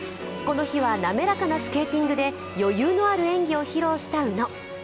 この日は滑らかなスケーティングで余裕のある演技を披露した宇野。